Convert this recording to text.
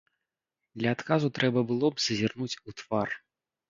Для адказу трэба было б зазірнуць у твар.